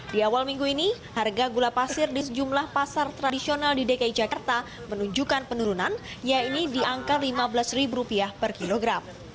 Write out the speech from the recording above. di awal minggu ini harga gula pasir di sejumlah pasar tradisional di dki jakarta menunjukkan penurunan yaitu di angka lima belas per kilogram